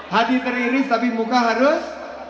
hadi teriris tapi muka harus